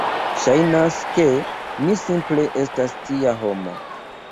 Ŝajnas, ke mi simple estas tia homo.